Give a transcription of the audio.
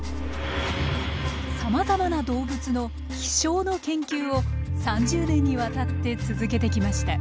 さまざまな動物の飛しょうの研究を３０年にわたって続けてきました。